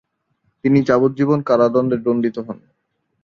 তিনি যাবজ্জীবন কারাদন্ডে দণ্ডিত হন।